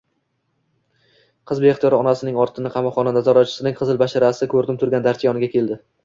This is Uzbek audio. Qiz beixtiyor onasining ortidan qamoqxona nazoratchisining qizil basharasi ko`rinib turgan darcha yoniga keldi